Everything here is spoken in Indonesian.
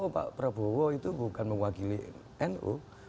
pak prabowo itu bukan mewakili nu